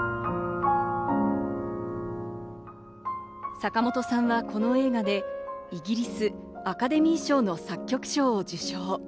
坂本さんはこの映画でイギリス・アカデミー賞の作曲賞を受賞。